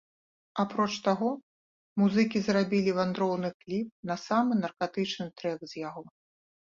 Апроч таго музыкі зрабілі вандроўны кліп на самы наркатычны трэк з яго.